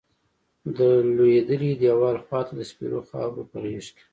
د لویدلیی دیوال خواتہ د سپیرو خاور پہ غیز کیی